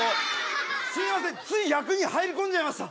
すいませんつい役に入り込んじゃいました。